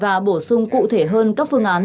và bổ sung cụ thể hơn các phương án